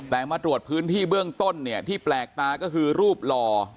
แต่มาตรวจพื้นที่เบื้องต้นเนี่ยที่แปลกตาก็คือรูปหล่อ